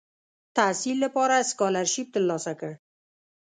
تحصیل لپاره سکالرشیپ تر لاسه کړ.